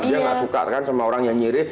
dia gak suka kan sama orang yang nyiri